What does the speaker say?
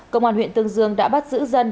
công an huyện tương dương đã bắt giữ dân